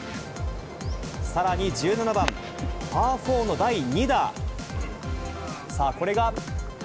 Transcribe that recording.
さらに１７番、パー４の第２打。さあ、これが。